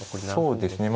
そうですね。